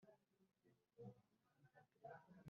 ni individuellement ni par